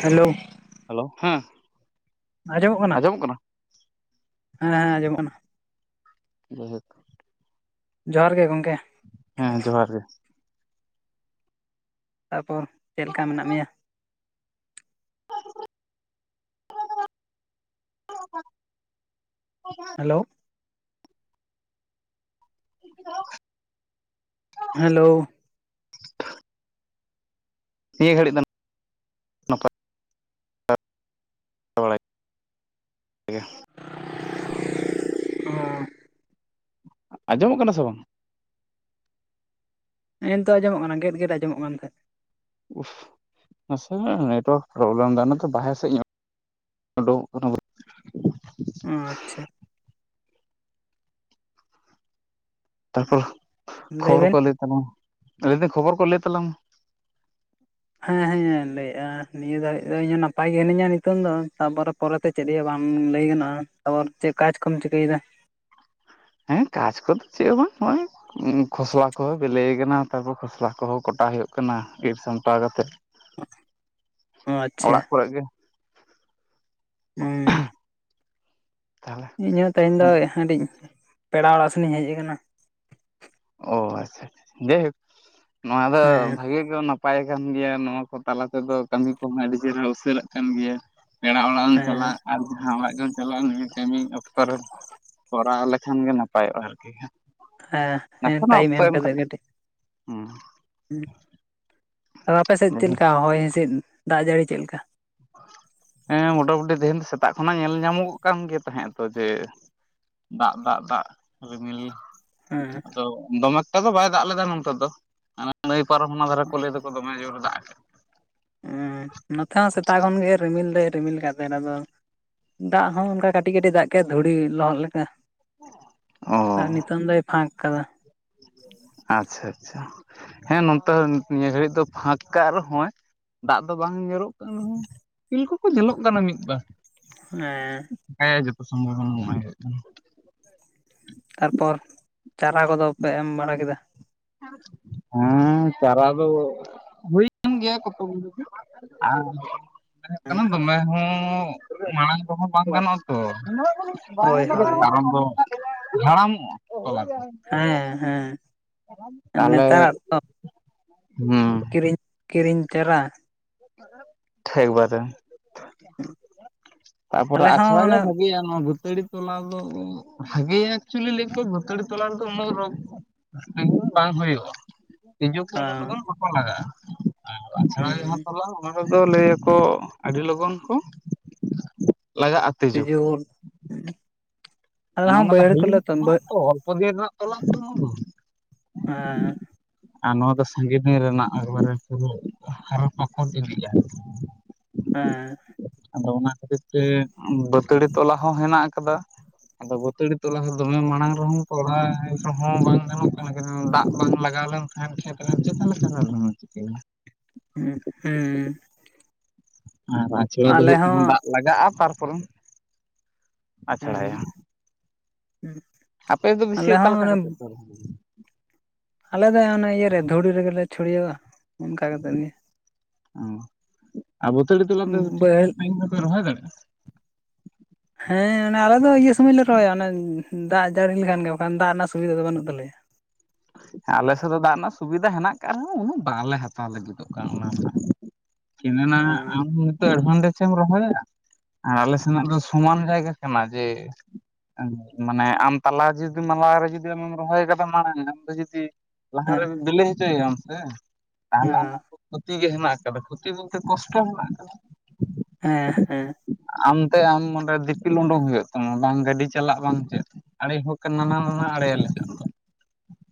Hello hello. Hello, ᱦᱮᱸ᱾ ᱟᱸᱡᱚᱢᱚᱜ ᱠᱟᱱᱟ? ᱦᱮᱸᱻᱦᱮᱸᱻᱟᱸᱡᱚᱢᱚᱜ ᱠᱟᱱᱟ ᱾ ᱡᱟᱭᱦᱳᱠ ᱡᱚᱸᱦᱟᱨ ᱜᱮ ᱜᱚᱝᱠᱮ᱾ ᱦᱮᱸ ᱡᱚᱸᱦᱟᱨ ᱜᱮ᱾ ᱛᱟᱨᱯᱚᱨ ᱪᱮᱜ ᱞᱮᱠᱟ ᱢᱮᱱᱟᱜ ᱢᱮᱭᱟ? [unintelligible] ᱦᱮᱞᱳ᱾ [unintelligible] ᱦᱮᱞᱳ᱾ [unintelligible] ᱱᱤᱭᱟᱹ ᱜᱷᱟᱹᱲᱤᱡ ᱫᱚ [unintelligible] ᱜᱮ [unintelligible] ᱟᱸᱡᱚᱢᱚᱜ ᱠᱟᱱᱟ ᱥᱮ ᱵᱟᱝ? ᱦᱮᱸ ᱱᱤᱛᱚᱜ ᱟᱸᱡᱚᱢᱚᱜ ᱠᱟᱱᱟ ᱜᱮᱫ ᱜᱮᱫ ᱟᱸᱡᱚᱢᱚᱜ ᱠᱟᱱ ᱛᱟᱦᱮᱸᱡ ᱩᱷ! [unintelligible] ᱱᱟᱥᱮ ᱱᱟᱹᱜ ᱱᱮᱴᱣᱟᱨᱠ ᱯᱨᱚᱵᱞᱮᱢ ᱮᱫᱟ ᱚᱱᱟᱛᱮ ᱵᱟᱦᱨᱮ ᱥᱮᱫ ᱤᱧ ᱳᱰᱳᱝᱚᱜ ᱠᱟᱱᱟ ᱚ ᱟᱪᱪᱷᱟ ᱛᱟᱨᱯᱚᱨ ᱠᱷᱚᱵᱚᱨ ᱠᱚ ᱞᱟᱹᱭ ᱛᱟᱞᱟᱝ ᱢᱮ ᱞᱟᱹᱭᱫᱟᱹᱧ ᱠᱷᱚᱵᱚᱨ ᱠᱚ ᱞᱟᱹᱭ ᱛᱟᱞᱟᱝ ᱢᱮ ᱦᱮᱸ ᱦᱮᱸ ᱞᱟᱹᱭᱮᱜᱼᱟ ᱱᱤᱭᱟᱹ ᱫᱷᱟᱹᱵᱤᱡ ᱫᱚ ᱤᱧ ᱱᱟᱯᱟᱭ ᱜᱮ ᱦᱤᱱᱟᱹᱧᱟ ᱱᱤᱛᱚᱝ ᱫᱚ ᱛᱟᱯᱚᱨᱮ ᱯᱚᱨᱮᱛᱮ ᱪᱮᱫ ᱤᱭᱟᱹ ᱵᱟᱝ ᱞᱟᱹᱭ ᱜᱟᱱᱚᱜᱼᱟ ᱛᱟᱯᱚᱨᱮ ᱪᱮᱫ ᱠᱟᱡ ᱠᱚᱢ ᱪᱤᱠᱟᱹᱭᱮᱫᱟ ᱦᱮᱸ ᱠᱟᱡ ᱠᱚᱫᱚ ᱪᱮᱫ ᱦᱚᱸ ᱵᱟᱝ ᱱᱚᱜᱼᱚᱭ ᱠᱷᱚᱥᱞᱟ ᱠᱚᱦᱚᱸ ᱵᱤᱞᱤᱭ ᱟᱠᱟᱱᱟ ᱛᱟᱨᱯᱚᱨ ᱠᱷᱚᱥᱞᱟ ᱠᱚᱦᱚᱸ ᱠᱚᱴᱟ ᱦᱩᱭᱩᱜ ᱠᱟᱱᱟ ᱤᱨ ᱥᱟᱢᱴᱟᱣ ᱠᱟᱛᱮᱜ ᱚ ᱟᱪᱪᱷᱟ ᱚᱲᱟᱜ ᱠᱚᱨᱮ ᱜᱮ [unintelligible] ᱛᱟᱦᱚᱞᱮ ᱤᱧ ᱦᱚᱸ ᱛᱮᱸᱦᱮᱧ ᱫᱚ [unintelligible] ᱯᱮᱲᱟ ᱚᱸᱲᱟᱜ ᱥᱮᱱᱤᱧ ᱦᱮᱡ ᱟᱠᱟᱱᱟ ᱚ ᱟᱪᱪᱷᱟ ᱟᱪᱪᱷᱟ ᱡᱟᱭᱦᱳᱠ [unintelligible] ᱱᱚᱣᱟ ᱫᱚ ᱦᱮᱸ ᱵᱷᱟᱹᱜᱤ ᱱᱟᱯᱟᱭ ᱠᱟᱱ ᱜᱮᱭᱟ ᱱᱚᱣᱟ ᱠᱚ ᱛᱟᱞᱟ ᱛᱮᱫᱚ ᱠᱟᱹᱢᱤ ᱠᱚᱦᱚᱸ ᱟᱹᱰᱤ ᱪᱮᱦᱨᱟ ᱩᱥᱟᱹᱨᱟᱜ ᱠᱟᱱ ᱜᱮᱭᱟ ᱯᱮᱲᱟ ᱚᱲᱟᱜ ᱮᱢ ᱦᱮᱸ ᱪᱟᱞᱟᱜ ᱟᱨ ᱡᱟᱦᱟᱸ ᱚᱲᱟᱜ ᱜᱮᱢ ᱪᱟᱞᱟᱜ ᱱᱩᱭ ᱠᱟᱹᱢᱤ ᱚᱠᱛᱚ ᱨᱮ ᱠᱚᱨᱟᱣ ᱞᱮᱠᱷᱟᱱ ᱜᱮ ᱱᱟᱯᱟᱭᱚᱜᱼᱟ ᱟᱨᱠᱤ ᱦᱟᱹᱜ ᱦᱮᱸ ᱦᱮᱸ ᱱᱟᱥᱮᱱᱟᱜ ᱴᱟᱭᱤᱢ ᱚᱠᱛᱚ ᱮᱢ ᱠᱟᱛᱮᱫ ᱠᱟᱛᱮ᱾ [unintelligible] ᱠᱟᱹᱴᱤᱡ ᱦᱮᱸ [unintelligible] ᱟᱫᱚ ᱟᱯᱮ ᱥᱮᱫ ᱦᱮᱸ ᱪᱮᱫ ᱞᱮᱠᱟ ᱦᱚᱭ ᱦᱤᱸᱥᱤᱫ ᱫᱟᱜ ᱡᱟᱹᱲᱤ ᱪᱮᱫ ᱞᱮᱠᱟ‍? ᱦᱮᱸ ᱢᱚᱴᱟ ᱢᱩᱴᱤ ᱛᱮᱦᱮᱱ ᱫᱚ ᱥᱮᱛᱟᱜ ᱠᱷᱚᱱᱟᱜ ᱧᱮᱞ ᱧᱟᱢᱚᱜᱼᱚᱜ ᱠᱟᱱ ᱜᱮ ᱛᱟᱦᱮᱫ ᱟᱛᱚ ᱡᱮ ᱫᱟᱜ ᱫᱟᱜ ᱫᱟᱜ ᱨᱤᱢᱤᱞ ᱦᱮᱸ ᱛᱚ ᱫᱚᱢᱮᱠᱴᱟ ᱫᱚ ᱵᱟᱭ ᱫᱟᱜ ᱞᱮᱫᱟ ᱱᱚᱛᱮ ᱫᱚ ᱦᱟᱱᱮ ᱱᱟᱹᱭ ᱯᱟᱨᱚᱢ ᱦᱟᱱᱟ ᱫᱷᱟᱨᱮ ᱠᱚ ᱞᱟᱹᱭ ᱮᱫᱟᱠᱚ ᱫᱚᱢᱮ ᱡᱳᱨᱮ ᱫᱟᱜ ᱟᱠᱟᱫᱼᱟ [unintelligible] ᱱᱚᱛᱮ ᱦᱚᱸ ᱥᱮᱛᱟᱜ ᱠᱷᱚᱱᱜᱮ ᱨᱤᱢᱤᱞ ᱫᱚᱭ ᱨᱤᱢᱤᱞ ᱟᱠᱟᱫ ᱛᱟᱦᱮᱱᱟ ᱟᱫᱚ ᱫᱟᱜ ᱦᱚᱸ ᱚᱱᱠᱟ ᱠᱟᱹᱴᱤᱡ ᱠᱟᱹᱴᱤᱡ ᱫᱟᱜ ᱠᱮᱫᱟ ᱫᱷᱩᱲᱤ ᱞᱚᱦᱚᱫ ᱞᱮᱠᱟ᱾ ᱚ [unintelligible] ᱟᱨ ᱱᱤᱛᱳᱝ ᱫᱚᱭ ᱯᱷᱟᱸᱠ ᱟᱠᱟᱫᱟ᱾ ᱟᱪᱪᱷᱟ ᱟᱪᱷᱟ, ᱦᱮᱸ ᱱᱚᱛᱮ ᱱᱤᱭᱟᱹ ᱜᱷᱟᱹᱲᱤᱡ ᱫᱚ ᱯᱷᱟᱸᱠ ᱠᱟᱜ ᱨᱮᱦᱚᱸᱭ ᱫᱟᱜ ᱫᱚ ᱵᱟᱝ ᱧᱩᱨᱚᱜ ᱠᱟᱱ ᱨᱮᱦᱚ ᱤᱯᱤᱞ ᱠᱚᱠᱚ ᱧᱮᱞᱚᱜ ᱠᱟᱱᱟ ᱢᱤᱫ ᱵᱟᱨ᱾ ᱦᱮ᱾ ᱦᱮᱸ ᱡᱚᱛᱚ ᱥᱚᱢᱚᱭ [unintelligible] ᱛᱟᱨᱯᱚᱨ [unintelligible] ᱪᱟᱨᱟ ᱠᱚᱫᱚ ᱯᱮ ᱮᱢ ᱵᱟᱲᱟ ᱠᱮᱫᱟ? ᱦᱮᱸ ᱪᱟᱨᱟ ᱫᱚ ᱦᱩᱭ ᱟᱠᱟᱱ ᱜᱮᱭᱟ [unintelligible] [unintelligible] ᱦᱮᱸ ᱠᱟᱱᱟ ᱫᱚᱢᱮ ᱦᱚᱸ ᱢᱟᱲᱟᱝ ᱠᱚᱦᱚᱸ ᱵᱟᱝ ᱜᱟᱱᱚᱜᱼᱟ ᱛᱚ᱾ [unintelligible] ᱦᱳᱭ ᱦᱳᱭ ᱠᱟᱨᱚᱱ ᱫᱚ ᱦᱟᱲᱟᱢ ᱚᱜ ᱠᱟᱱᱟ ᱠᱚ ᱦᱮᱸ ᱦᱮᱸ᱾ [unintelligible] ᱛᱟᱦᱞᱮ ᱱᱮᱛᱟᱨᱟᱜ ᱛᱚ [unintelligible] ᱦᱩᱸ᱾ ᱠᱤᱨᱤᱧ [unintelligible] ᱪᱟᱨᱟ᱾ [unintelligible] ᱮᱠᱵᱟᱨᱮ [unintelligible] ᱛᱟᱯᱚᱨᱮ ᱟᱞᱮ ᱦᱚᱸ ᱟᱪᱷᱲᱟ ᱜᱮ ᱚᱱᱮ ᱵᱷᱟᱹᱜᱤᱭᱟ ᱱᱚᱣᱟ [unintelligible] ᱵᱟᱹᱛᱟᱹᱲᱤ ᱛᱚᱞᱟ ᱫᱚ, ᱵᱷᱟᱜᱮᱭᱟ ᱮᱠᱪᱩᱭᱮᱞᱤ ᱞᱟᱹᱭ ᱟᱠᱚ ᱵᱟᱹᱛᱲᱤ ᱛᱚᱞᱟ ᱨᱮᱫᱚ ᱩᱱᱟᱹᱜ ᱨᱚᱜᱽᱼᱼ [unintelligible] ᱵᱟᱝ ᱦᱩᱭᱩᱜᱼᱟ, ᱛᱤᱡᱩ ᱠᱚ ᱩᱱᱟᱹᱜ ᱞᱚᱜᱚᱱ ᱵᱟᱠᱚ ᱞᱟᱜᱟᱜᱼᱟ, ᱟᱨ ᱟᱪᱷᱲᱟ [unintelligible] ᱚᱱᱟ ᱨᱮᱫᱚ ᱞᱟᱹᱭᱟᱠᱚ ᱟᱹᱰᱤ ᱞᱚᱜᱚᱱ ᱠᱚ ᱞᱟᱜᱟᱜᱼᱟ᱾ ᱛᱤᱡᱩ [unintelligible] ᱟᱞᱮ ᱢᱟᱱᱮ ᱦᱚ ᱚᱱᱟ ᱫᱚ ᱵᱟᱹᱭᱦᱟᱹᱲ ᱦᱟᱹᱞᱤ ᱠᱚᱞᱮ ᱨᱮᱱᱟᱜ [unintelligible] [unintelligible] [unintelligible] [unintelligible] ᱦᱟᱸ᱾ ᱟᱨ ᱱᱚᱣᱟ ᱫᱚ ᱥᱟᱸᱜᱮ ᱫᱤᱱ ᱨᱮᱱᱟᱜ ᱮᱠᱵᱟᱨᱮ ᱯᱩᱨᱟᱹ ᱦᱟᱨᱟ ᱯᱟᱠᱚᱴ ᱤᱫᱤᱜᱼᱟ ᱾ ᱦᱮᱸ ᱾ ᱟᱫᱚ ᱚᱱᱟ ᱠᱷᱟᱹᱛᱤᱨ ᱛᱮ ᱵᱟᱹᱛᱟᱹᱲᱤ ᱛᱚᱞᱟ ᱦᱚᱸ ᱦᱮᱱᱟᱜ ᱟᱠᱟᱫᱟ᱾ ᱟᱫᱚ ᱵᱟᱹᱛᱟᱹᱲᱤ ᱛᱚᱞᱟ ᱦᱚᱸ ᱫᱚᱢᱮ ᱢᱟᱲᱟᱝ ᱨᱮᱦᱚᱸ ᱠᱚᱦᱟᱣ ᱨᱮᱦᱚᱸ ᱵᱟᱝ ᱜᱟᱱᱚᱜ ᱠᱟᱱᱟ, ᱠᱟᱨᱚᱱ ᱫᱟᱜ ᱵᱟᱝ ᱞᱟᱜᱟᱣ ᱞᱮᱱ [unintelligible] ᱠᱷᱮᱛ ᱨᱮᱢ ᱡᱷᱮᱛᱮ ᱞᱮ ᱪᱟᱞᱟᱣ ᱞᱮᱱᱠᱷᱟᱱ ᱦᱚᱸ ᱪᱤᱠᱟᱹᱭᱟ? ᱦᱩᱸ ᱦᱩᱸ᱾ ᱟᱨ ᱟᱪᱷᱲᱟ ᱫᱚ ᱟᱞᱮ ᱦᱩᱭᱩᱜ ᱠᱟᱱᱟ ᱦᱚᱸ ᱫᱟᱜ ᱞᱟᱜᱟᱜᱼᱟ ᱛᱟᱨᱯᱚᱨᱮᱢ ᱟᱪᱷᱲᱟᱭᱟ ᱦᱩᱸ ᱦᱩᱸ ᱾ ᱟᱯᱮᱫ ᱫᱚ ᱵᱮᱥᱤ ᱚᱠᱟ ᱞᱮᱠᱟ ᱠᱟᱛᱮᱜ ᱯᱮ ᱨᱚᱦᱚᱭ ᱜᱮᱭᱟ? ᱟᱞᱮ ᱫᱚ ᱚᱱᱟ ᱤᱭᱟᱹ ᱨᱮ ᱫᱷᱩᱲᱤ ᱨᱮᱜᱮ ᱞᱮ ᱪᱷᱩᱲᱭᱟᱹᱣᱟ ᱚᱱᱠᱟ ᱠᱟᱛᱮᱫ ᱜᱮ ᱾ ᱚ, ᱟᱨ ᱵᱟᱹᱛᱟᱹᱲᱤ ᱛᱚᱞᱟ ᱛᱮᱦᱚᱸ ᱴᱷᱤᱠ ᱵᱟᱹᱭᱦᱟᱹᱲ ᱴᱷᱟᱠ ᱴᱟᱭᱤᱢ ᱨᱮᱯᱮ ᱨᱚᱦᱚᱭ ᱫᱟᱲᱮᱜᱼᱟ? ᱦᱮᱸ, ᱚᱱᱮ ᱟᱞᱮ ᱫᱚ ᱤᱭᱟᱹ ᱥᱚᱢᱚᱭ ᱞᱮ ᱨᱚᱦᱚᱭᱟ ᱚᱱᱮ ᱫᱟᱜ ᱡᱟᱹᱲᱤ ᱞᱮᱠᱷᱟᱱ ᱜᱮ ᱵᱟᱠᱷᱟᱱ ᱫᱟᱜ ᱨᱮᱱᱟᱜ ᱥᱩᱵᱤᱫᱟ ᱫᱚ ᱵᱟᱹᱱᱩᱜ ᱛᱟᱞᱮᱭᱟ᱾ ᱟᱞᱮ ᱥᱮᱫ ᱫᱚ ᱫᱟᱜ ᱨᱮᱱᱟᱜ ᱥᱩᱵᱤᱫᱷᱟ ᱦᱮᱱᱟᱜ ᱟᱠᱟᱫ ᱨᱮᱦᱚᱸ ᱩᱱᱟᱹᱜ ᱵᱟᱣᱞᱮ ᱦᱟᱛᱟᱣ ᱞᱟᱹᱜᱤᱫᱚᱜ ᱠᱟᱱᱟ ᱚᱱᱟ ᱨᱮᱱᱟᱜ᱾ ᱠᱤᱱᱮᱱᱟ ᱟᱢ ᱱᱤᱛᱚᱜ ᱮᱰᱵᱷᱟᱱᱴᱮᱡ ᱪᱮᱜ ᱮᱢ ᱨᱚᱦᱚᱭᱟ? ᱟᱨ ᱟᱞᱮ ᱥᱮᱱᱟᱜ ᱫᱚ ᱥᱚᱢᱟᱱ ᱡᱟᱭᱜᱟ ᱠᱟᱱᱟ ᱡᱮ ᱢᱟᱱᱮ ᱟᱢ ᱛᱟᱞᱟ ᱡᱩᱫᱤ ᱢᱟᱞᱟ ᱨᱮ ᱡᱩᱫᱤ ᱟᱢᱮᱢ ᱨᱚᱦᱚᱭ ᱠᱟᱫᱟ ᱢᱟᱲᱟᱝ᱾ ᱟᱫᱚ ᱡᱩᱫᱤ ᱦᱮᱸ ᱞᱟᱦᱟᱨᱮᱢ ᱵᱤᱞᱮ ᱦᱚᱪᱚᱭᱮᱭᱟᱢ ᱥᱮ ᱛᱟᱦᱚᱞᱮ ᱟᱢᱟᱜ ᱫᱚ ᱠᱷᱚᱛᱤ ᱜᱮ ᱦᱮᱱᱟᱜ ᱟᱠᱟᱫᱟ ᱠᱷᱚᱛᱤ ᱵᱚᱞᱛᱮ ᱠᱚᱥᱴᱚ ᱦᱮᱱᱟᱜ ᱟᱠᱟᱫᱟ᱾ ᱦᱮᱸ ᱦᱮᱸ᱾ ᱟᱢᱛᱮ ᱟᱢ ᱚᱸᱰᱮ ᱫᱤᱯᱤᱞ ᱩᱸᱰᱩᱝ ᱦᱩᱭᱩᱜ ᱛᱟᱢᱟ ᱵᱟᱝ ᱜᱟᱹᱰᱤ ᱪᱟᱞᱟᱜ ᱵᱟᱝ ᱪᱮᱜ ᱟᱲᱮ ᱦᱳᱠ ᱱᱟᱱᱦᱟ ᱱᱟᱱᱦᱟ ᱟᱲᱮᱭᱟᱞᱮ᱾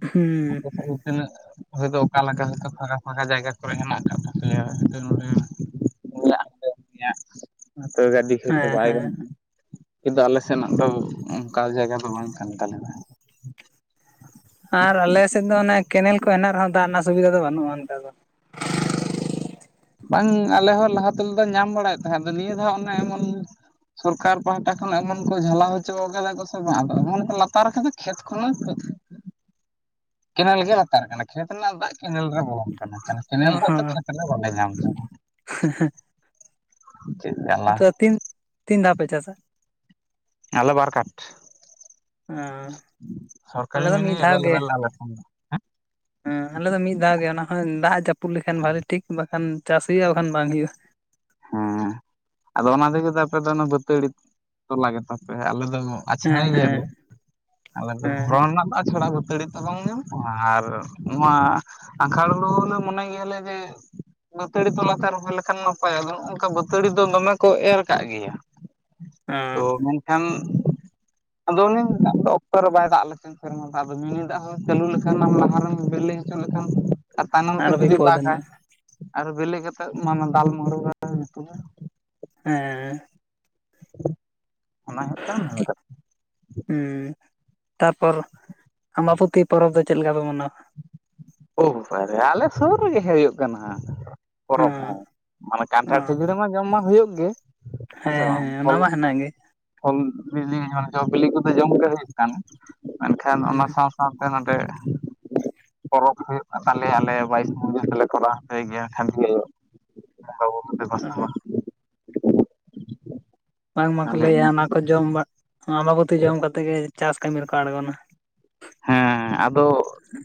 ᱦᱩᱸ ᱟᱯᱮ ᱥᱮᱜᱨᱮ ᱛᱤᱱᱟᱹᱜ ᱦᱚᱭᱛᱳ ᱚᱠᱟᱞᱮᱠᱟ ᱦᱚᱭᱛᱳ ᱯᱷᱟᱠᱟ ᱯᱷᱟᱠᱟ ᱡᱟᱭᱜᱟ ᱠᱚᱨᱮ ᱦᱮᱱᱟᱜ ᱟᱠᱟᱫ ᱛᱟᱯᱮᱭᱟ ᱦᱚᱭᱛᱳ ᱱᱚᱰᱮ, [inaudible] [unintelligible] ᱛᱚ ᱜᱟᱺᱰᱤ, ᱦᱚᱭᱛᱚ ᱦᱮᱸ ᱵᱟᱭ ᱦᱮᱸ ᱜᱟᱱᱚᱜᱼᱟ᱾ ᱠᱤᱱᱛᱩ ᱟᱞᱮ ᱥᱮᱱᱟᱜ ᱫᱚ ᱚᱱᱠᱟ ᱡᱟᱭᱜᱟ ᱫᱚ ᱵᱟᱝ ᱠᱟᱱ ᱛᱟᱞᱮ ᱫᱚ᱾ ᱟᱨ ᱟᱞᱮᱥᱮᱫ ᱫᱚ ᱚᱱᱮ ᱠᱮᱱᱮᱞ ᱠᱚ ᱦᱮᱱᱟᱜ ᱨᱮᱦᱚᱸ ᱫᱟᱜ ᱨᱮᱱᱟᱜ ᱥᱩᱵᱤᱫᱷᱟ ᱫᱚ ᱵᱟᱹᱱᱩᱜᱼᱟ ᱱᱮᱛᱟᱨ ᱫᱚ᱾ ᱵᱟᱝ ᱟᱞᱮ ᱦᱚᱸ ᱞᱟᱦᱟ ᱛᱮᱞᱮ‌ ᱫᱚ ᱧᱟᱢ ᱵᱟᱲᱟᱭᱮᱜ ᱛᱟᱦᱮᱸᱫ ᱟᱫᱚ ᱱᱤᱭᱟᱹ ᱫᱷᱟᱣ ᱚᱱᱮ ᱮᱢᱚᱱ ᱥᱚᱨᱠᱟᱨ ᱯᱟᱦᱴᱟ ᱠᱷᱚᱱ ᱮᱢᱚᱱ ᱠᱚ ᱡᱷᱟᱞᱟᱣ ᱦᱚᱪᱚ ᱠᱟᱫᱟ ᱠᱚ ᱥᱮ ᱵᱟᱝ ᱮᱢᱚᱱ ᱠᱚ ᱞᱟᱛᱟᱨ ᱠᱟᱫᱟ ᱠᱷᱮᱛ ᱠᱷᱚᱱᱚ ᱦᱚᱸ ᱠᱮᱱᱮᱞ ᱜᱮ ᱞᱟᱛᱟᱨ ᱟᱠᱟᱱᱟ, ᱠᱷᱮᱛ ᱨᱮᱱᱟᱜ ᱫᱟᱜ ᱠᱮᱱᱮᱞ ᱨᱮ ᱵᱚᱞᱚᱱ ᱱᱚᱝᱠᱟ ᱱᱟᱜ‌ ᱠᱮᱱᱮᱞ‌ ᱫᱟᱜ ᱛᱚ ᱦᱚᱸ ᱠᱷᱮᱛᱨᱮ ᱵᱟᱞᱮ ᱧᱟᱢ ‌ᱫᱟ, ᱪᱮᱜ ᱟᱨ ᱟᱯᱮ ᱛᱤᱱ ᱛᱤᱱ ᱫᱷᱟᱣ ᱯᱮ ᱪᱟᱥᱟ? ᱟᱞᱮ ᱵᱟᱨ ᱠᱟᱴ ᱥᱚᱨᱠᱟᱨᱤ ᱟᱞᱮ ᱫᱚ ᱢᱤᱱᱤ ᱢᱤᱫ ᱫᱷᱟᱣ ᱜᱮ ᱮᱵᱮᱞᱮᱵᱮᱞ ᱟᱞᱮ ‌ᱴᱷᱮᱱ ᱫᱚ᱾ ᱦᱮᱸ ᱟᱞᱮ ᱫᱚ ᱢᱤᱫ ᱫᱷᱟᱣ ᱜᱮ ᱚᱱᱟ ᱦᱚᱸ ᱫᱟᱜ ᱡᱟᱹᱯᱩᱫ ᱞᱮᱠᱷᱟᱱ ᱵᱷᱟᱹᱞᱤ ᱴᱷᱤᱠ ᱵᱟᱠᱷᱟᱱ ᱪᱟᱥ ᱦᱩᱭᱩᱜᱼᱟ ᱵᱟᱠᱷᱟᱱ ᱵᱟᱝ ᱦᱩᱭᱩᱜᱼᱟ᱾ ᱦᱮᱸ ᱟᱫᱚ ᱚᱱᱟ ᱛᱮᱜᱮ ᱫᱚ ᱟᱯᱮ ᱫᱚ ᱚᱱᱟ ᱵᱟᱹᱛᱟᱹᱲᱤ ᱛᱚᱞᱟ ᱜᱮᱛᱟ ᱯᱮ ᱟᱞᱮ ᱫᱚ ᱦᱮᱸ ᱟᱪᱪᱷᱲᱟᱭ ᱜᱮᱭᱟ ᱞᱮ ᱦᱮᱸ ᱟᱞᱮ ᱫᱚ ᱫᱷᱚᱨᱚᱱ ᱨᱮᱱᱟᱜ ᱟᱪᱷᱟᱲᱟ ᱵᱟᱹᱛᱟᱹᱲᱤ ᱛᱚᱞᱟᱢ ᱧᱟᱢᱼᱟ, ᱟᱨ ᱱᱚᱣᱟ ᱟᱸᱜᱷᱟᱲ ᱦᱳᱲᱳᱞᱮ ᱢᱚᱱᱮ ᱜᱮᱭᱟᱞᱮ ᱡᱮ ᱵᱟᱹᱛᱟᱹᱲᱤ ᱛᱚᱞᱟ ᱛᱮ ᱨᱚᱦᱚᱭ ᱞᱮᱠᱷᱟᱱ ᱱᱚ ᱱᱟᱯᱟᱭ ᱟᱫᱚ ᱱᱚᱜᱼᱚᱭ ᱱᱚᱝᱠᱟ ᱵᱟᱹᱛᱟᱹᱲᱤ ᱫᱚ ᱫᱚᱢᱮ ᱠᱚ ᱮᱨ ᱠᱟᱜ ᱜᱮᱭᱟ, ᱛᱚ ᱦᱮᱸ ᱢᱮᱱ ᱠᱷᱟᱱ ᱟᱫᱚ ᱚᱱᱮ ᱫᱟᱜ ᱫᱚ ᱚᱠᱛᱚ ᱨᱮ ᱵᱟᱭ ᱫᱟᱜ ᱞᱮᱠᱷᱟᱱ ᱠᱷᱟᱱ ᱥᱮᱨᱢᱟ ᱫᱟᱜ ᱟᱫᱚ ᱢᱤᱱᱤ ᱫᱟᱜ ᱦᱚᱸ ᱪᱟᱹᱞᱩ ᱞᱮᱠᱷᱟᱱᱟᱢ ᱞᱟᱦᱟ ᱨᱮᱢ ᱵᱮᱞᱮ ᱦᱚᱪᱚ ᱞᱮᱠᱷᱟᱱ ᱟᱨ ᱛᱟᱭᱱᱚᱢ ᱛᱮ ᱟᱨᱚ ᱡᱩᱫᱤ ᱵᱤᱯᱚᱫ ᱮᱱᱟ ᱫᱟᱜᱟᱭ ᱟᱨ ᱵᱮᱞᱮ ᱠᱟᱛᱮᱜ ᱢᱟᱢ ᱫᱟᱞ [unintelligible] ᱦᱮᱸᱻ᱾ [inaudible] ᱚᱱᱟ ᱦᱳᱭᱳᱜ ᱠᱟᱱ ᱢᱮᱱ‌ ᱫᱚ᱾ ᱩᱸᱻ ᱛᱟᱨᱯᱚᱨ ᱟᱢᱵᱟᱯᱩᱛᱤ ᱯᱚᱨᱚᱵᱽ ᱫᱚ ᱪᱮᱜ ᱞᱮᱠᱟ ᱯᱮ ᱢᱟᱱᱟᱣᱟ? ᱳ ᱵᱟᱵᱟᱨᱮ ᱟᱞᱮ ᱥᱩᱨ ᱨᱮᱜᱮ ᱦᱩᱭᱩᱜ ᱠᱟᱱᱟ ᱦᱟᱸᱜ ᱯᱚᱨᱚᱵᱽ ᱦᱮᱸ ᱦᱚᱸ᱾ ᱢᱟᱱᱮ ᱠᱟᱱᱴᱷᱟᱲ ᱦᱮᱸ ᱠᱷᱟᱹᱡᱟᱹᱤ ᱢᱟ ᱡᱚᱢ ᱢᱟ ᱦᱩᱭᱩᱜ ᱜᱮ ᱦᱮᱸ ᱥᱮ ᱵᱟᱝ ᱚᱱᱟ ᱯᱷᱚᱞ ᱢᱟ ᱠᱩ᱾ ᱦᱮᱱᱟᱜ ᱜᱮ ᱯᱷᱚᱞ ᱵᱤᱞᱤ ᱚᱱᱮ ‌ᱡᱚ ᱵᱤᱞᱤ ᱠᱩᱫᱚ ᱡᱚᱢ ᱜᱮ ᱦᱩᱭᱩᱜ ᱠᱟᱱᱟ ᱢᱮᱱᱠᱷᱟᱱ ᱚᱱᱟ ᱦᱮᱸ ᱥᱟᱶ ᱥᱟᱶᱛᱮ‌ ᱱᱚᱱᱰᱮ ᱼᱼ ᱯᱚᱨᱚᱵᱽ ᱦᱩᱭᱩᱜ ‌ᱠᱟᱱ ᱛᱟᱞᱮᱭᱟ ᱟᱞᱮᱭᱟᱜ ᱵᱟᱭᱤᱥ ᱢᱩᱜᱟᱹ ᱛᱮᱞᱮ ᱠᱚᱨᱟᱣ ᱦᱚᱪᱚᱭ ᱜᱮᱭᱟ ᱠᱷᱟᱱ ᱦᱤᱞᱳᱜ᱾ ᱟᱱᱠᱟ ᱵᱟᱹᱵᱩ ᱛᱮᱠᱚ ᱥᱟᱶ᱾ ᱵᱟᱝ ᱢᱟᱠᱚ ᱛᱟᱦᱚᱞᱮ ᱞᱟᱹᱭᱟ ᱤᱱᱟᱹ ᱚᱱᱟ ᱠᱚ ᱡᱚᱢ ᱵᱟ ᱟᱢᱵᱟᱵᱩᱛᱤ ᱡᱚᱢ ᱠᱟᱛᱮᱜ ᱜᱮ ᱪᱟᱥ ᱠᱟᱹᱢᱤ ᱨᱮᱠᱚ ᱟᱬᱜᱚᱱᱟ᱾ ᱦᱮᱸ ᱟᱫᱚ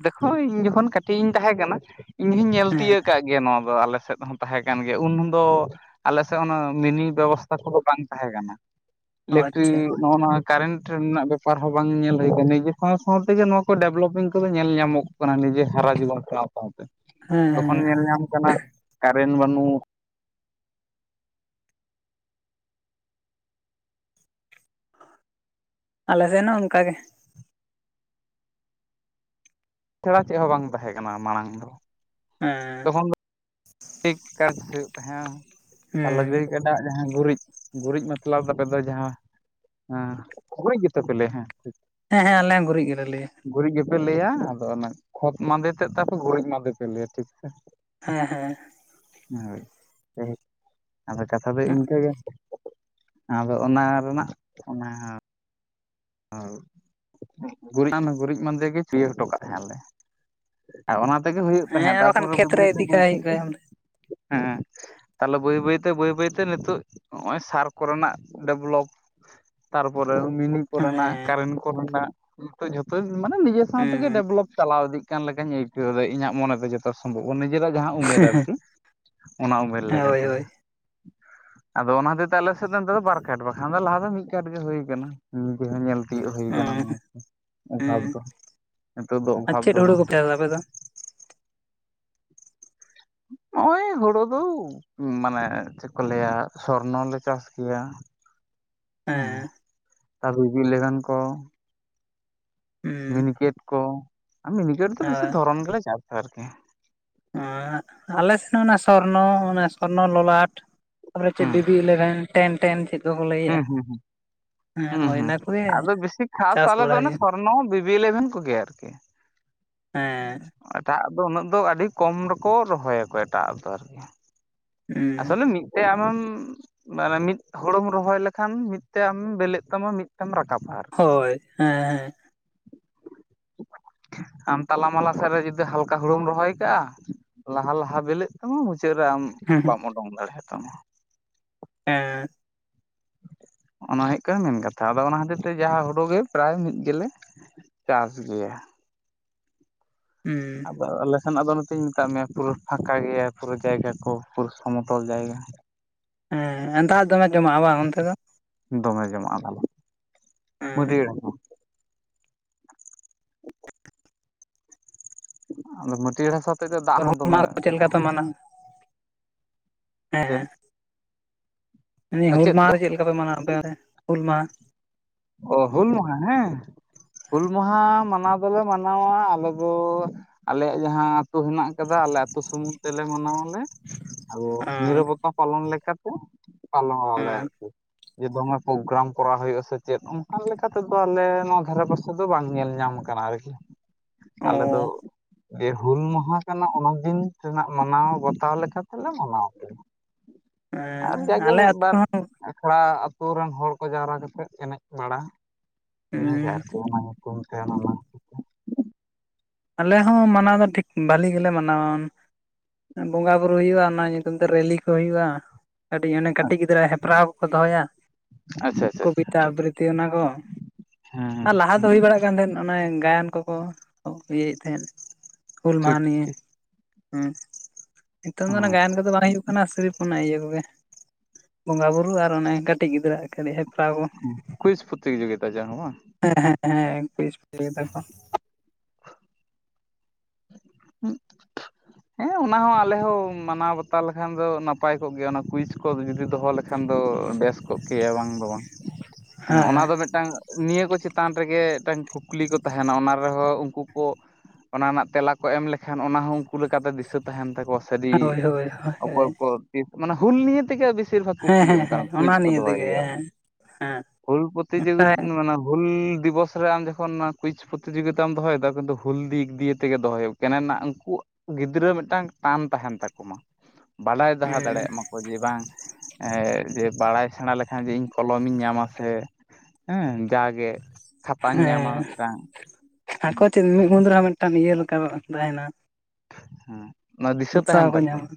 ᱫᱮᱠᱷᱳ ᱤᱧ ᱡᱚᱠᱷᱚᱱ ᱠᱟᱹᱴᱤᱡ ᱤᱧ ᱛᱟᱦᱮᱸ ᱠᱟᱱᱟ ᱤᱧ ᱦᱩᱧ ᱧᱮᱞ ᱦᱮᱸ ᱛᱤᱭᱟᱹᱜ ᱠᱟᱜᱼᱼ ᱜᱮᱭᱟ ᱱᱚᱣᱟ ᱫᱚ ᱟᱞᱮ ᱥᱮᱫ ᱦᱚᱸ ᱛᱟᱦᱮᱸ ᱠᱟᱱ ᱜᱮᱭᱟ ᱩᱱ ᱫᱚᱼᱼ ᱟᱞᱮ ᱥᱮᱜ ᱚᱱᱟ ᱢᱤᱱᱤ ᱵᱮᱵᱚᱥᱛᱟ ᱠᱚᱫᱚ ᱵᱟᱝ ᱛᱟᱦᱮᱸ ᱠᱟᱱᱟ᱾ ᱚ ᱤᱞᱮᱠᱴᱨᱤ ᱟᱪᱪᱷᱟ ᱱᱚᱜ-ᱚ ᱱᱚᱣᱟ ᱠᱟᱨᱮᱱᱴ ᱨᱮᱱᱟᱜ ᱵᱮᱯᱟᱨ ᱦᱚᱸ ᱵᱟᱝ ᱧᱮᱞ ᱦᱩᱭ ᱠᱟᱱᱟ ᱱᱤᱡᱮ ᱦᱚᱸᱥᱼᱼ ᱥᱟᱶ ᱛᱮᱜᱮ ᱱᱚᱣᱟ ᱠᱚ ᱰᱮᱵᱽᱞᱚᱯᱤᱝ ᱠᱚᱫᱚ ᱧᱮᱞ ᱧᱟᱢᱚᱜ ᱠᱟᱱᱟ ᱱᱤᱡᱮ ᱦᱟᱨᱟ ᱡᱤᱣᱚᱱ ᱥᱟᱶ ᱥᱟᱶᱛᱮ᱾ ᱦᱮᱸ ᱛᱚᱠᱷᱚᱱ ᱦᱮᱸ ᱧᱮᱞ ᱧᱟᱢ ᱠᱟᱱᱟ ᱠᱟᱨᱮᱱ ᱵᱟᱹᱱᱩᱜ᱾ ᱟᱞᱮ ᱨᱮᱱ ᱦᱚᱸ ᱚᱱᱠᱟ ᱜᱮ᱾ ᱪᱷᱟᱲᱟ ᱪᱮᱫ ᱦᱚᱸ ᱵᱟᱝ ᱛᱟᱦᱮᱸ ᱠᱟᱱᱟ ᱢᱟᱬᱟᱝ ᱫᱚ᱾ ᱮᱸᱜᱼᱼ ᱴᱤᱠ ᱠᱟᱴᱥ ᱦᱩᱭᱩᱜ ᱛᱟᱦᱮᱸᱜ-ᱟ ᱛᱟᱦᱟᱞᱮ‌ ᱦᱮᱸ ᱜᱟᱹᱭ‌ ᱠᱟᱰ᱾ ᱮᱴᱟᱜ ᱡᱟᱦᱟᱸ ᱜᱩᱨᱤᱡ ᱜᱩᱨᱤᱡ ᱢᱚᱛᱞᱚᱵᱽ ᱫᱚ ᱟᱯᱮ ᱫᱚ ᱡᱟᱦᱟᱸᱼᱼ ᱦᱟᱸ ᱜᱩᱨᱤᱡ ᱜᱮᱛᱚ ᱯᱮ ᱞᱟᱹᱭᱟ ᱦᱮᱸ ᱪᱤᱫ᱾ ᱦᱮᱸ ᱦᱮ ᱟᱞᱮ ᱦᱚᱸ ᱜᱩᱨᱤᱡ ᱜᱮᱞᱮ ᱞᱟᱹᱭᱟ᱾ ᱜᱩᱨᱤᱡ ᱜᱮᱯᱮ ᱞᱟᱹᱭᱟ ᱟᱫᱚ ᱚᱱᱟ ᱠᱷᱚᱛ ᱢᱟᱸᱫᱮ ᱛᱮᱫ ᱛᱟᱯᱮ ᱜᱩᱨᱤᱡ ᱢᱟ ᱫᱤᱯᱤᱞ ᱠᱟᱛᱮ ᱦᱮᱸ ᱦᱮᱸ᱾ ᱦᱳᱭ ‌ [unintelligible] ᱟᱫᱚ ᱠᱟᱛᱷᱟ ᱫᱚ ᱤᱱᱠᱟᱹ ᱜᱮᱼᱼ ᱟᱫᱚ ᱚᱱᱟ ᱨᱮᱱᱟᱜ ᱚᱱᱟᱼᱼ ᱚᱣ ᱜᱩ ᱜᱩᱨᱤᱡ ᱢᱟᱸᱫᱮ ᱜᱮ ᱪᱤᱭᱟᱹ ᱦᱚᱴᱚ ᱠᱟᱜ ᱛᱟᱦᱮᱸᱜ ᱟᱞᱮ᱾ ᱟᱨ ᱚᱱᱟ ᱛᱮᱜᱮ ᱦᱩᱭᱩᱜ ᱦᱮᱸ ᱛᱟᱦᱮᱸᱫ ᱟᱨ ᱵᱟᱠᱷᱟᱱ ᱛᱟᱨᱯᱚᱨᱮ ᱠᱷᱮᱛ ᱵᱟᱹᱭ ᱨᱮ ᱵᱟᱹᱭ ᱛᱮ ᱤᱫᱤ ᱠᱟᱜ ᱦᱩᱭᱩᱜ ᱠᱷᱟᱡ ᱦᱮᱸ [unintelligible] ᱦᱮᱸ᱾ ᱛᱟᱦᱚᱞᱮ ᱵᱟᱹᱭ ᱵᱟᱹᱭ ᱛᱮ ᱵᱟᱹᱭ ᱵᱟᱹᱭ ᱛᱮ ᱱᱤᱛᱚᱜ ᱱᱚᱜ-ᱚᱭ ᱥᱟᱨ ᱠᱚᱨᱮ ᱱᱟᱜ ᱰᱮᱵᱽᱞᱚᱯᱼᱼ ᱛᱟᱨᱯᱚᱨᱮ ᱢᱤᱱᱤᱼᱼ ᱠᱚᱨᱮ ᱱᱟᱜ ᱠᱟᱨᱮᱱᱴ ᱠᱚᱨᱮ ᱱᱟᱜ ᱱᱤᱛᱚᱜ ᱡᱷᱚᱛᱚ ᱢᱟᱱᱮ ᱱᱤᱡᱮ ᱥᱟᱶ ᱛᱮᱜᱮ ᱰᱮᱵᱽᱞᱚᱯ ᱪᱟᱞᱟᱣ ᱤᱫᱤᱜᱼᱼ ᱠᱟᱱ ᱞᱮᱠᱟᱧ ᱟᱹᱭᱠᱟᱹᱣ ᱫᱟ ᱤᱧᱟᱹᱜ ᱢᱚᱱᱮ ᱛᱮ ᱡᱚᱛᱚ ᱥᱚᱢᱵᱷᱚᱵᱽ ᱱᱤᱡᱮ ᱨᱟᱜ ᱡᱟᱦᱟᱸᱼᱼ ᱩᱢᱮᱨ ᱟᱨ ᱠᱤ ᱚᱱᱟ ᱩᱢᱮᱨ ᱞᱮᱠᱟ ᱦᱳᱭ ᱛᱮᱜᱮ᱾ ᱦᱳᱭ ᱟᱫᱚ ᱚᱱᱟ ᱦᱚᱛᱮᱡ ᱛᱮ ᱟᱞᱮ ᱥᱮᱜ ᱫᱚ ᱱᱤᱛᱚᱜ ᱫᱚ ᱵᱟᱨ ᱠᱷᱟᱴ ᱵᱟᱠᱷᱟᱱ ᱫᱚ ᱞᱟᱦᱟ ᱫᱚ ᱢᱤᱫ ᱠᱟᱴ ᱜᱮ ᱦᱩᱭ ᱠᱟᱱᱟ᱾ ᱱᱤᱡᱮ ᱦᱚᱸ ᱧᱮᱞ ᱛᱤᱭᱟᱹᱜ ᱦᱩᱭ ᱠᱟᱱᱟ ᱦᱩᱸ ᱱᱚᱣᱟ ᱠᱚ᱾ ᱚᱵᱷᱟᱵᱽ ᱦᱩᱸ ᱫᱚ ᱱᱤᱛᱚᱜ ᱫᱚ ᱟᱨ ᱚᱵᱷᱟᱵᱽ ᱪᱮᱫ ᱫᱚ ᱦᱩᱲᱩ ᱵᱟᱝ᱾ [unintelligible] [inaudible] ᱱᱚᱦᱚᱜᱼᱚᱭ ᱦᱳᱲᱳ ᱫᱚ ᱢᱟᱱᱮ ᱪᱮᱫ ᱠᱚ ᱞᱟᱹᱭᱟ ᱥᱚᱨᱱᱚ ᱞᱮ ᱪᱟᱥ ᱜᱮᱭᱟ᱾ ᱦᱮᱸ ᱦᱮᱸ [unintelligible] ᱠᱚ᱾ ᱦᱩᱸ ᱢᱤᱱᱤᱠᱮᱴ ᱠᱚ ᱢᱤᱱᱤᱠᱮᱴ ᱫᱚ ᱵᱮᱥᱤ ᱦᱳᱭ ᱫᱷᱚᱨᱚᱱ ᱜᱮᱞᱮ ᱪᱟᱥᱟ ᱟᱨᱠᱤ᱾ ᱟᱞᱮ ᱥᱮᱫ ᱦᱚᱸ ᱚᱱᱟ ᱥᱚᱨᱱᱚ ᱚᱱᱟ ᱥᱚᱨᱱᱚ ᱞᱚᱞᱟᱴ᱾ ᱛᱟᱯᱚᱨᱮ ᱪᱮᱫ ᱵᱤᱵᱤ ᱤᱞᱮᱵᱷᱮᱱ ᱴᱮᱱ, ᱴᱮᱱ ᱪᱮᱫ ᱠᱚᱠᱚ ᱞᱟᱹᱭᱮᱜᱼᱟ ᱦᱮᱸ ᱦᱮᱸ ᱦᱮᱸ᱾ ᱦᱮᱸ ᱦᱳᱭ ᱦᱮᱸ ᱚᱱᱟ ᱠᱚᱜᱮ ᱟᱫᱚ ᱵᱮᱥᱤ ᱠᱷᱟᱥ ᱪᱟᱥ ᱟᱞᱮ ᱫᱚ ᱵᱟᱲᱟᱭ ᱚᱱᱮ ᱦᱩᱭᱩᱜ ᱥᱚᱨᱱᱚ ᱵᱤᱵᱤ ᱤᱞᱮᱵᱷᱮᱱ ᱠᱚᱜᱮᱭᱟ ᱟᱨᱠᱤ᱾ ᱦᱮᱸ᱾ ᱮᱴᱟᱜ ᱟᱜ ᱫᱚ ᱩᱱᱟᱹᱜ ᱫᱚ ᱟᱹᱰᱤ ᱠᱚᱢ ᱨᱮᱠᱚ ᱨᱚᱦᱚᱭᱟ ᱠᱚ ᱮᱴᱟᱜ ᱫᱚ ᱟᱨᱠᱤ᱾ ᱦᱩᱸ ᱟᱥᱚᱞᱮ ᱢᱤᱫᱴᱮᱡ ᱟᱢᱮᱢ ᱢᱟᱱᱮ ᱢᱤᱫ ᱦᱳᱲᱳ ᱨᱚᱦᱚᱭ ᱞᱮᱠᱷᱟᱱ ᱢᱤᱫ ᱛᱮ ᱟᱢ ᱵᱮᱞᱮᱜ ᱛᱟᱢᱟ ᱢᱤᱫ ᱛᱮᱢ ᱨᱟᱠᱟᱵᱟ᱾ ᱟᱨᱠᱤ ᱦᱳᱭ ᱦᱮᱸ ᱦᱮᱸ᱾ ᱟᱢ ᱛᱟᱞᱟ ᱢᱟᱞᱟ ᱥᱮᱫ ᱨᱮ ᱡᱩᱫᱤ ᱦᱟᱞᱠᱟ ᱦᱩᱲᱩᱢ ᱨᱚᱦᱚᱭ ᱠᱟᱜᱼᱟ ᱞᱟᱦᱟ ᱞᱟᱦᱟ ᱵᱮᱞᱮᱜ ᱛᱟᱢᱟ ᱢᱩᱪᱟᱹᱫ ᱨᱮ ᱟᱢ ᱦᱮᱸ ᱵᱟᱢ ᱳᱰᱳᱝ ᱫᱟᱲᱮᱭᱟ ᱛᱟᱢᱟ᱾ ᱦᱮᱸ᱾ ᱚᱱᱟ ᱦᱩᱭᱩᱜ ᱠᱟᱱᱟ ᱢᱮᱱ ᱠᱟᱛᱷᱟ᱾ ᱟᱫᱚ ᱚᱱᱟ ᱦᱚᱛᱮᱡ ᱛᱮ ᱡᱟᱦᱟᱸ ᱦᱳᱲᱳ ᱜᱮ ᱯᱨᱟᱭ ᱢᱤᱫ ᱜᱮᱞᱮ ᱪᱟᱥ ᱜᱮᱭᱟ᱾ ᱦᱩᱸ᱾ ᱟᱫᱚ ᱟᱞᱮ ᱥᱮᱱᱟᱜ ᱫᱚ ᱱᱚᱛᱮᱧ ᱢᱮᱛᱟᱫ ᱢᱮᱭᱟ ᱯᱩᱨᱟᱹ ᱯᱷᱟᱠᱟ ᱜᱮᱭᱟ ᱯᱩᱨᱟᱹ ᱡᱟᱭᱜᱟ ᱠᱚ ᱯᱩᱨᱟᱹ ᱥᱚᱢᱚᱛᱚᱞ ᱡᱟᱭᱜᱟ᱾ ᱦᱮᱸ ᱫᱟᱜ ᱫᱚᱢᱮ ᱡᱚᱢᱟᱜᱼᱟ ᱵᱟᱝ ᱚᱱᱛᱮ ᱫᱚ? ᱫᱚᱢᱮ ᱡᱚᱢᱟᱜᱼᱟ᱾ ᱦᱮᱸ [unintelligible] ᱟᱫᱚ ᱢᱟᱹᱴᱭᱟᱹᱲ ᱦᱟᱥᱟ ᱦᱚᱛᱮᱫ ᱛᱮ ᱫᱟᱜ ᱦᱚᱸ ᱦᱩᱞ ᱫᱚᱢᱮ ᱢᱟᱦᱟ ᱫᱚ ᱪᱮᱫ ᱛᱟᱦᱮᱱᱟ᱾ ᱦᱮᱸ ᱪᱮᱫ ᱦᱮᱸ᱾ ᱢᱮᱱᱫᱤᱧ ᱦᱩᱞ ᱢᱟᱦᱟ ᱨᱮ ᱪᱮᱫ ᱞᱮᱠᱟ ᱯᱮ ᱢᱟᱱᱟᱣᱟ ᱟᱯᱮ ᱦᱩᱞ ᱢᱟᱦᱟ? ᱚ ᱦᱩᱞ ᱢᱟᱦᱟ? ᱦᱮᱸ ᱦᱩᱞ ᱢᱟᱦᱟ ᱢᱟᱱᱟᱣ ᱫᱚ ᱞᱮ ᱢᱟᱱᱟᱣᱟ ᱟᱞᱮ ᱫᱚ᱾ ᱟᱞᱮᱭᱟᱜ ᱡᱟᱦᱟᱸ ᱟᱹᱛᱩ ᱦᱮᱱᱟᱜ ᱟᱠᱟᱫᱟ ᱟᱞᱮ ᱟᱹᱛᱩ ᱥᱩᱢᱩᱝ ᱛᱮᱞᱮ ᱢᱟᱱᱟᱣᱟᱞᱮ᱾ ᱟᱫᱚ ᱦᱮᱸ ᱱᱤᱨᱟᱵᱚᱛᱟ ᱯᱟᱞᱚᱱ ᱞᱮᱠᱟ ᱛᱮ ᱯᱟᱞᱚᱱ ᱟᱞᱮ ᱦᱮᱸ ᱟᱨᱠᱤ᱾ ᱡᱮ ᱫᱚᱢᱮ ᱯᱨᱳᱜᱨᱟᱢ ᱠᱚᱨᱟᱣ ᱦᱩᱭᱩᱜ-ᱟ ᱥᱮ ᱪᱮᱫ ᱚᱱᱠᱟ ᱞᱮᱠᱟ ᱛᱮ ᱫᱚ ᱟᱞᱮ ᱱᱚᱣᱟ ᱫᱷᱟᱨᱮ ᱯᱟᱥᱮ ᱫᱚ ᱵᱟᱝ ᱧᱮᱞ ᱧᱟᱢ ᱠᱟᱱᱟ ᱟᱨᱠᱤ᱾ ᱚ ᱟᱞᱮ ᱫᱚ ᱡᱮ ᱦᱩᱞ ᱢᱟᱦᱟ ᱠᱟᱱᱟ ᱚᱱᱟ ᱫᱤᱱ ᱨᱮᱱᱟᱜ ᱢᱟᱱᱟᱣ ᱵᱟᱛᱟᱣ ᱞᱮᱠᱟ ᱛᱮ ᱞᱮ ᱢᱟᱱᱟᱣ ᱜᱮᱭᱟ᱾ ᱦᱮᱸ ᱟᱨ ᱡᱟᱜᱮ ᱟᱞᱮ ᱢᱤᱫ ᱟᱹᱛᱩ ᱵᱟᱨ ᱦᱚᱸ ᱟᱠᱷᱲᱟ ᱟᱹᱛᱳ ᱨᱮᱱ ᱦᱚᱲ ᱠᱚ ᱡᱟᱣᱨᱟ ᱠᱟᱛᱮᱫ ᱮᱱᱮᱡ ᱵᱟᱲᱟ ᱦᱚᱸ ᱤᱱᱟᱹᱜᱮ ᱟᱨᱠᱤ᱾ ᱠᱚ ᱢᱮᱛᱟᱭᱟ ᱟᱱᱟᱢᱟ ᱟᱞᱮ ᱦᱚᱸ ᱢᱟᱱᱟᱣ ᱫᱚ ᱴᱷᱤᱠ ᱵᱷᱟᱞᱤ ᱜᱮᱞᱮ ᱢᱟᱱᱟᱣᱟ᱾ ᱵᱚᱸᱜᱟ ᱵᱩᱨᱩ ᱦᱩᱭᱩᱜᱼᱟ᱾ ᱚᱱᱟ ᱧᱩᱛᱩᱢ ᱛᱮ ᱨᱮᱞᱤ ᱠᱚ ᱦᱩᱭᱩᱜᱼᱟ᱾ ᱠᱟᱹᱴᱤᱡ ᱚᱱᱮ ᱠᱟᱹᱴᱤᱡ ᱜᱤᱫᱽᱨᱟᱹ ᱦᱮᱯᱨᱟᱣ ᱠᱚᱠᱚ ᱫᱚᱦᱚᱭᱟ᱾ ᱟᱪᱪᱷᱟ ᱟᱪᱪᱷᱟ ᱟᱪᱪᱷᱟ ᱠᱚᱵᱤᱛᱟ ᱟᱵᱨᱤᱛᱤ ᱚᱱᱟ ᱠᱚ᱾ ᱦᱮᱸ ᱟᱨ ᱞᱟᱦᱟ ᱫᱚ ᱦᱩᱭᱩᱜ ᱦᱩᱭ ᱵᱟᱲᱟᱜ ᱠᱟᱱ ᱛᱟᱦᱮᱸᱱ ᱚᱱᱮ ᱜᱟᱭᱟᱱ ᱠᱚᱠᱚ ᱤᱭᱟᱹᱭᱮᱫ ᱛᱟᱦᱮᱸᱫ᱾ ᱦᱩᱞ ᱴᱷᱤᱠ ᱢᱟᱦᱟ ᱱᱤᱭᱮ ᱴᱷᱤᱠ ᱦᱮᱸ ᱱᱤᱛᱚᱝ ᱫᱚ ᱚᱱᱟ ᱜᱟᱭᱟᱱ ᱠᱚᱫᱚ ᱵᱟᱝ ᱦᱩᱭᱩᱜ ᱠᱟᱱᱟ ᱥᱤᱨᱤᱯᱷ ᱚᱱᱟ ᱤᱭᱟᱹ ᱠᱚᱜᱮ ᱵᱚᱸᱜᱟ ᱵᱩᱨᱩ ᱟᱨ ᱚᱱᱮ ᱠᱟᱹᱴᱤᱡ ᱜᱤᱫᱽᱨᱟᱹᱣᱟᱜ ᱠᱟᱹᱴᱤᱡ ᱦᱮᱯᱨᱟᱣ ᱠᱚ᱾ ᱩ ᱠᱩᱭᱥᱡ ᱯᱚᱛᱤ ᱡᱩᱜᱤᱛᱟ ᱡᱟᱦᱟ ᱵᱟᱝ? ᱦᱮᱸ ᱦᱮᱸ ᱦᱮᱸ ᱠᱩᱭᱤᱡ ᱯᱨᱟᱛᱤᱡᱚᱜᱤᱛᱟ ᱫᱟ ᱠᱚ᱾ ᱦᱮᱸ ᱚᱱᱟ ᱦᱚᱸ ᱟᱞᱮ ᱦᱚᱸ ᱢᱟᱱᱟᱣ ᱵᱟᱛᱟᱣ ᱞᱮᱠᱷᱟᱱ ᱫᱚ ᱱᱟᱯᱟᱭ ᱠᱚᱜ ᱜᱮᱭᱟ ᱚᱱᱟ ᱠᱩᱭᱤᱡ ᱠᱚ ᱡᱩᱫᱤ ᱫᱚᱦᱚ ᱞᱮᱠᱷᱟᱱ ᱫᱚ ᱵᱮᱥ ᱠᱚᱜ ᱠᱮᱭᱟ ᱵᱟᱝ ᱫᱚ ᱵᱟᱝ ᱮᱸ ᱚᱱᱟ ᱦᱮᱸ ᱫᱚ ᱢᱤᱫᱴᱟᱝ ᱱᱤᱭᱟᱹ ᱠᱚ ᱪᱮᱛᱟᱱ ᱨᱮᱜᱮ ᱢᱤᱫᱴᱟᱝ ᱠᱩᱠᱞᱤ ᱠᱚ ᱛᱟᱦᱮᱱᱟ ᱚᱱᱟ ᱨᱮᱦᱚᱸ ᱩᱱᱠᱩ ᱠᱚ ᱚᱱᱟ ᱨᱮᱱᱟᱜ ᱛᱮᱞᱟ ᱠᱚ ᱮᱢ ᱞᱮᱠᱷᱟᱱ ᱚᱱᱟ ᱦᱚᱸ ᱩᱱᱠᱩ ᱞᱮᱠᱟᱛᱮ ᱫᱤᱥᱟᱹ ᱛᱟᱦᱮᱱ ᱛᱟᱠᱚᱣᱟ ᱥᱟᱹᱨ ᱦᱳᱭ ᱦᱳᱭ ᱦᱳᱭ ᱚᱠᱚᱭ ᱦᱮᱸ ᱠᱚ ᱢᱟᱱᱮ ᱦᱩᱞ ᱱᱤᱭᱮ ᱛᱮᱜᱮ ᱵᱮᱥᱤᱨ ᱵᱷᱟᱜᱽ ᱠᱩᱠᱞᱤ ᱦᱮᱸ ᱚᱱᱠ ᱦᱮᱸ ᱠᱩᱪ ᱚᱱᱟ ᱠᱚ ᱱᱤᱭᱮ ᱫᱚᱦᱚᱭ ᱛᱮᱜᱮ ᱦᱩᱭᱩᱜᱼᱟ᱾ ᱦᱮᱸ ᱦᱮᱸ ᱦᱮᱸ ᱦᱮᱸ ᱵᱷᱩᱞ ᱯᱨᱚᱛᱤᱡᱤᱛ ᱢᱟᱱᱮ ᱵᱷᱩᱞ ᱫᱤᱵᱚᱥ ᱟᱢ ᱡᱚᱠᱷᱚᱱ ᱠᱩᱭᱤᱡ ᱯᱨᱚᱛᱤᱤᱡᱳᱜᱤᱛᱟᱢ ᱫᱚᱦᱚᱭᱮᱫᱟ ᱠᱤᱱᱛᱩ ᱦᱩᱞ ᱫᱤᱠ ᱫᱤᱭᱮ ᱛᱮᱜᱮ ᱫᱚᱦᱚᱭ ᱦᱩᱭᱩᱜ ᱠᱟᱱᱟᱮᱱ ᱩᱱᱠᱩ ᱜᱤᱫᱽᱨᱟᱹ ᱢᱤᱫᱴᱟᱝ ᱴᱟᱱ ᱛᱟᱦᱮᱱ ᱛᱟᱠᱚ ᱢᱟ᱾ ᱵᱟᱲᱟᱭ ᱫᱚᱦᱚ ᱫᱟᱲᱮᱭᱟᱜ ᱢᱟᱠᱚ ᱡᱮ ᱵᱟᱝ ᱡᱮ ᱵᱟᱲᱟᱭ ᱥᱮᱬᱟ ᱞᱮᱠᱷᱟᱱ ᱡᱮ ᱤᱧ ᱠᱚᱞᱚᱢ ᱤᱧ ᱧᱟᱢᱟ ᱥᱮ ᱦᱮᱸ ᱡᱟᱜᱮ ᱠᱷᱟᱛᱟᱧ ᱧᱟᱢᱟ ᱢᱤᱫᱴᱟᱝ᱾ ᱦᱟᱹᱠᱩ ᱪᱮᱫ ᱢᱤᱫ ᱢᱩᱫᱽ ᱨᱮᱦᱚᱸ ᱢᱤᱫᱴᱟᱝ ᱤᱭᱟᱹ ᱞᱮᱠᱟ ᱛᱟᱦᱮᱱᱟ᱾ ᱦᱮᱸ ᱚᱱᱟ ᱫᱤᱥᱟᱹ ᱩᱛᱥᱟᱦᱚ ᱛᱟᱦᱮᱱ ᱠᱚ ᱛᱟᱠᱚᱣᱟ ᱧᱟᱢᱟ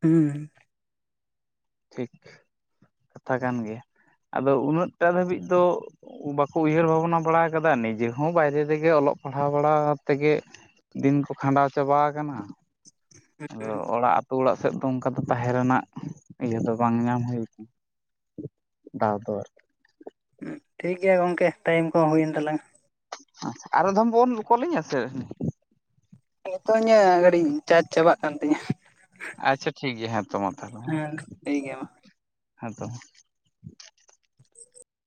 ᱦᱩᱸ᱾ ᱴᱷᱤᱠ ᱠᱟᱛᱷᱟ ᱠᱟᱱ ᱜᱮᱭᱟ ᱟᱫᱚ ᱩᱱᱟᱹᱜᱴᱟ ᱫᱷᱟᱹᱵᱤᱡ ᱫᱚ ᱵᱟᱠᱚ ᱩᱭᱦᱟᱹᱨ ᱵᱷᱟᱵᱱᱟ ᱵᱟᱲᱟ ᱟᱠᱟᱫᱟ ᱱᱤᱡᱮ ᱦᱚᱸ ᱵᱟᱭᱨᱮ ᱛᱮᱜᱮ ᱚᱞᱚᱜ ᱯᱟᱲᱦᱟᱣ ᱵᱟᱲᱟ ᱛᱮᱜᱮ ᱫᱤᱱ ᱠᱚ ᱠᱷᱟᱸᱰᱟᱣ ᱪᱟᱵᱟ ᱟᱠᱟᱱᱟ᱾ ᱟᱫᱚ ᱦᱩᱸ ᱚᱲᱟᱜ ᱟᱹᱛᱩ ᱚᱲᱟᱜ ᱥᱮᱫ ᱫᱚ ᱚᱱᱠᱟ ᱫᱚ ᱛᱟᱦᱮᱸ ᱨᱮᱱᱟᱜ ᱤᱭᱟᱹ ᱫᱚ ᱵᱟᱝ ᱧᱟᱢ ᱦᱩᱭ ᱠᱟᱱᱟ᱾ [unintelligible] ᱴᱷᱤᱠ ᱜᱮᱭᱟ ᱜᱚᱝᱠᱮ ᱴᱟᱭᱤᱢ ᱠᱚᱦᱚᱸ ᱦᱩᱭᱮᱱ ᱛᱟᱞᱟᱝ᱾ ᱟᱨ ᱢᱤᱫᱫᱷᱚᱢ ᱵᱚᱱ ᱠᱚᱞ ᱟᱹᱧᱟ ᱥᱮ ᱱᱤᱛᱚᱜ ᱤᱧᱟᱹᱜ ᱠᱟᱴᱤᱡ ᱪᱟᱨᱡ ᱪᱟᱵᱟᱜ ᱠᱟᱱ ᱛᱤᱧᱟᱹ᱾ ᱟᱪᱪᱷᱟ ᱴᱷᱤᱠ ᱜᱮᱭᱟ ᱦᱮᱸ ᱛᱚ ᱢᱟ ᱛᱟᱦᱚᱞᱮ ᱦᱮᱸ ᱴᱷᱤᱠ ᱜᱮᱭᱟ ᱢᱟ ᱦᱮᱸ ᱛᱚ [unintelligible]